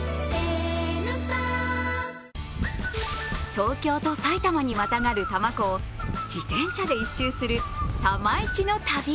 東京と埼玉にまたがる多摩湖を自転車で一周するタマイチの旅。